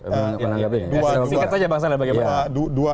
singkat aja bang salih bagaimana